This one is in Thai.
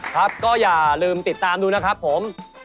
ครับก็อย่าลืมติดตามดูนะครับผม